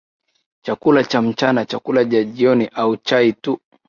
chakula cha mchana chakula cha jioni au chai tu